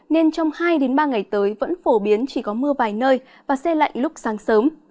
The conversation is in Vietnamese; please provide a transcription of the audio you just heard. nên trong hai ba ngày tới vẫn phổ biến chỉ có mưa vài nơi và xe lạnh lúc sáng sớm